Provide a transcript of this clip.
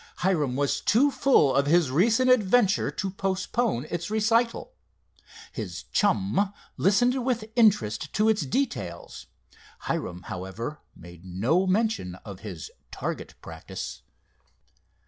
Hiram was too full of his recent adventure to postpone its recital. His chum listened with interest to its details. Hiram, however, made no mention of his "target practice."